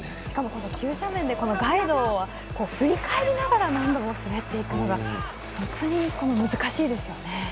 しかも急斜面でガイドは振り返りながら何度も滑っていくのが難しいですよね。